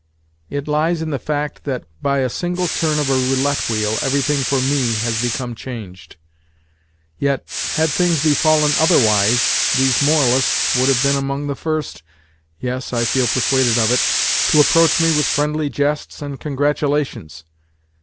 It lies in the fact that by a single turn of a roulette wheel everything for me, has become changed. Yet, had things befallen otherwise, these moralists would have been among the first (yes, I feel persuaded of it) to approach me with friendly jests and congratulations.